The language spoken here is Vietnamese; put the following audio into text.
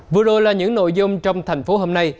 vừa rồi là những nội dung trong thành phố hôm nay